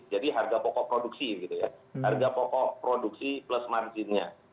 jadi harga pokok produksi harga pokok produksi plus marginnya